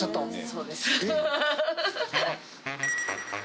そうです。